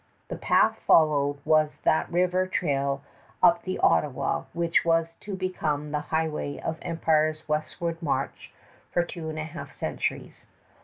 The path followed was that river trail up the Ottawa which was to become the highway of empire's westward march for two and a half centuries.